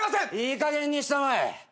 いいかげんにしたまえ。